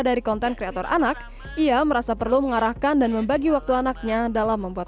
dari konten kreator anak ia merasa perlu mengarahkan dan membagi waktu anaknya dalam membuat